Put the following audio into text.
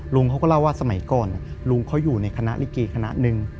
ลุงเขาก็เล่าว่าสมัยก่อนลุงเขาอยู่ในคณะลิเกคณะหนึ่ง